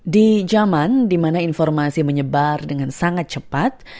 di zaman dimana informasi menyebar dengan sangat cepat